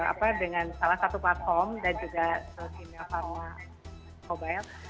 apa dengan salah satu platform dan juga kimia pharma mobile